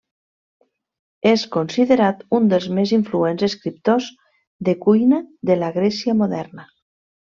És considerat un dels més influents escriptors de cuina de la Grècia moderna.